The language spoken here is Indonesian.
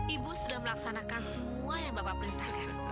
ibu sudah melaksanakan semua yang bapak perintahkan